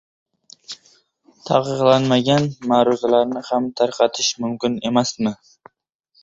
Taqiqlanmagan ma’ruzalarni ham tarqatish mumkin emasmi?..